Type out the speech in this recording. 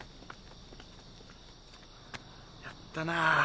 やったなあ。